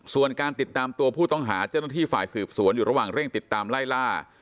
ส่วนการติดตามตัวผู้ต้องหาเจ้าหน้าที่ฝ่ายสืบสวนอยู่ระหว่างเร่งติดตามไล่ล่า